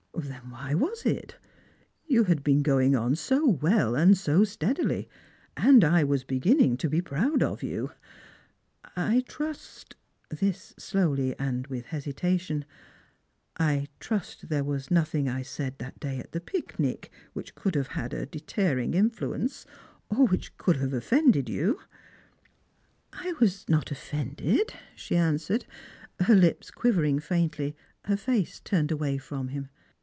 "Then why was it? You had been going on so well and so steadily, and I was beginning to be proud of you. I trust —" this slowly, and with hesitation —" I trust there was nothing I said that day at the picnic which could have a deterring influence, or which could have off"ended you." "I was not ofi'ended," she answered, her lips quivering faintly, her face turned away from him.